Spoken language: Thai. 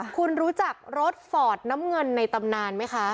คุณรู้จักรถฟอร์ดน้ำเงินในตำนานไหมคะ